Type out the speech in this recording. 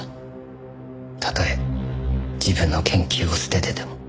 たとえ自分の研究を捨ててでも。